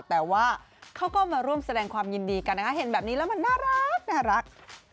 แต่ว่าเขาก็มาร่วมแสดงความยินดีกันนะคะเห็นแบบนี้แล้วมันน่ารัก